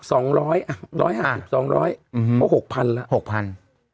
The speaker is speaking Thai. สองร้อยอ่ะร้อยห้าสิบสองร้อยอืมเพราะหกพันละหกพัน